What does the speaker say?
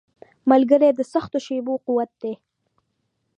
ملګری د سختو شېبو قوت دی.